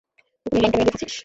কখনো ল্যাংটা মেয়ে দেখেছিস?